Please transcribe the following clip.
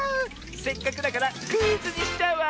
せっかくだからクイズにしちゃうわ！